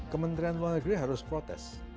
kementerian luar negeri harus protes